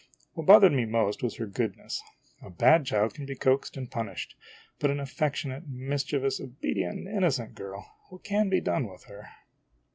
What bothered me most was her goodness. A bad child can be coaxed and punished ; but an affectionate, mischievous, obedi ent, and innocent girl what can be done with her?